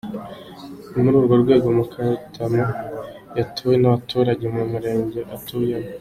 Ni muri urwo rwego Mukarutamu yatowe n’abaturage mu murenge atuyemo.